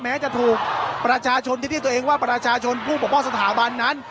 แม้จะถูกประชาชนที่เรียกตัวเองว่าประชาชนผู้ปกป้องสถาบันนั้น